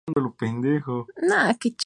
Romanoff es una táctica experta.